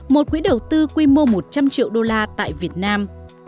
một quỹ đầu tư quy mô một trăm linh triệu đô la tại việt nam